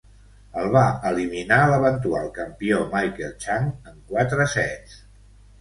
El va eliminar l'eventual campió Michael Chang en quatre sets.